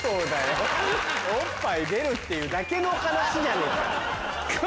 おっぱい出るっていうだけの話じゃねえか。